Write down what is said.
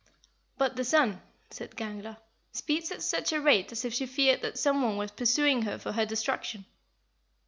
"But the sun," said Gangler, speeds at such a rate as if she feared that some one was pursuing her for her destruction."